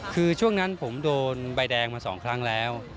คือช่วงนั้นผมโดนใบแดงมา๒ครั้งแล้ว